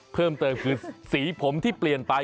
เพิ่มเติมคือสีผมที่เปลี่ยนไป